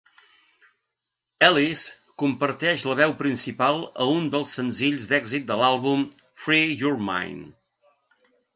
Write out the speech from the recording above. Ellis comparteix la veu principal a un dels senzills d'èxit de l'àlbum: "Free Your Mind".